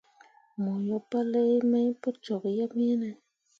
Mo yo palai mai pu cok yeb iŋ ne.